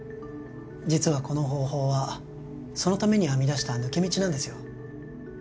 実はこの方法はそのために編み出した抜け道なんですよ